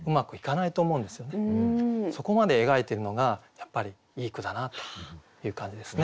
そこまで描いてるのがやっぱりいい句だなという感じですね。